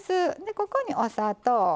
ここにお砂糖。